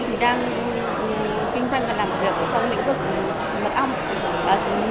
thì đang kinh doanh và làm việc trong lĩnh vực mật ong